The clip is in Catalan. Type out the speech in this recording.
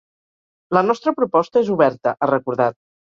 La nostra proposta és oberta, ha recordat.